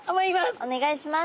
おねがいします。